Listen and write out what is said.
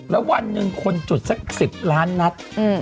แล้ววันหนึ่งคนจุดสัก๑๐ล้านนัด